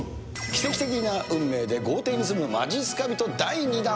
奇跡的な運命で豪邸に住むまじっすか人、第２弾。